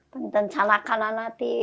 tentang cara kanak nanti